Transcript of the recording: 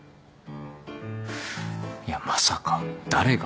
いやまさか誰が。